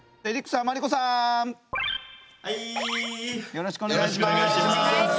よろしくお願いします。